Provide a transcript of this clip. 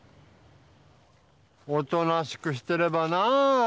おとなしくしてればなぁ。